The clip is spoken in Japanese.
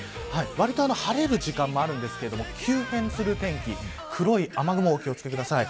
わりと晴れる時間もあるんですけれども急変する天気黒い雨雲、お気を付けください。